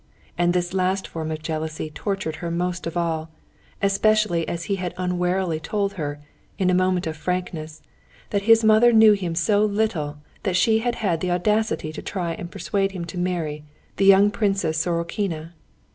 And this last form of jealousy tortured her most of all, especially as he had unwarily told her, in a moment of frankness, that his mother knew him so little that she had had the audacity to try and persuade him to marry the young Princess Sorokina.